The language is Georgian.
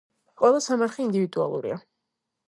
ყველა სამარხი ინდივიდუალურია.